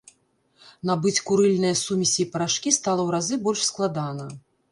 Набыць курыльныя сумесі і парашкі стала ў разы больш складана.